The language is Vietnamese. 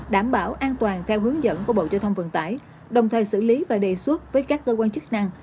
đảm bảo an toàn theo hướng dẫn của bộ giao thông vận tải đồng thời xử lý và đề xuất với các cơ quan chức năng